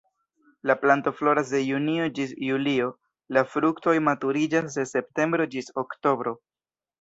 La planto floras de junio ĝis julio, la fruktoj maturiĝas de septembro ĝis oktobro.